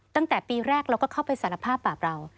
ตั้งแต่ปีแรกเราก็เข้าไปสารภาพบาปเรา